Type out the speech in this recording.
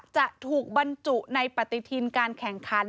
จะถูกบรรจุในปฏิทินการแข่งขัน